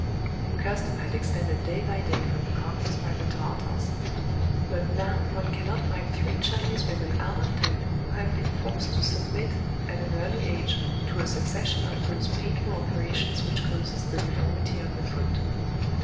The custom had extended day by day from the conquest by the Tartars ; but now one cannot find three Chinese women out of ten who have been forced to submit at an early age to a succession of those painful operations which causes the deform ity of the foot.